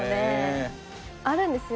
あるんですよ。